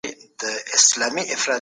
ښه ذهنیت غوسه نه پیدا کوي.